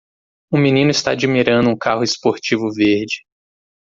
Um menino está admirando um carro esportivo verde.